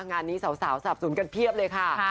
งานนี้สาวสับสนกันเพียบเลยค่ะ